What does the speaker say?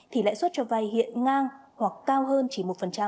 thì lãi suất cho vay hiện ngang hoặc cao hơn chỉ một